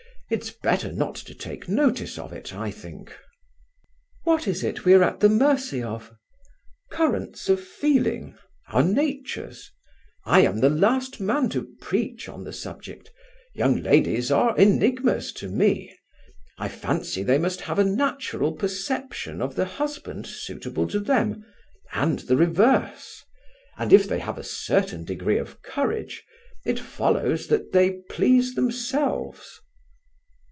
It's better not to take notice of it, I think." "What is it we are at the mercy of?" "Currents of feeling, our natures. I am the last man to preach on the subject: young ladies are enigmas to me; I fancy they must have a natural perception of the husband suitable to them, and the reverse; and if they have a certain degree of courage, it follows that they please themselves."